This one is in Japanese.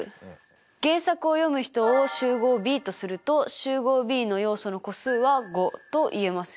原作を読む人を集合Ｂとすると集合Ｂの要素の個数は５と言えますよね。